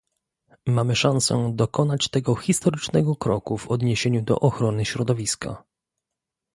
Mamy szansę dokonać tego historycznego kroku w odniesieniu do ochrony środowiska